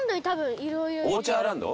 オーチャーランド？